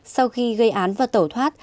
sau khi gây án và tẩu thoát